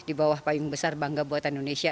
di bawah payung besar bangga buatan indonesia